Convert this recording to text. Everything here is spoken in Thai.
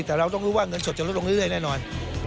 แต่เราต้องรู้ว่าเงินสดจะลดลงเรื่อยแน่นอน